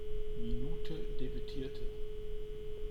Minute debütierte.